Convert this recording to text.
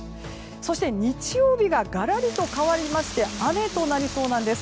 そして、日曜日ががらりと変わりまして雨となりそうなんです。